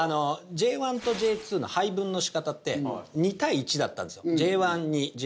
Ｊ１とＪ２の配分のしかたって２：１だったんですよ。